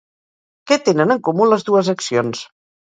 Què tenen en comú les dues accions?